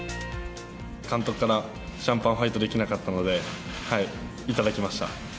監督から、シャンパンファイトできなかったので、頂きました。